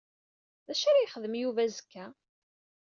Dacu ara yexdem Yuba azekka?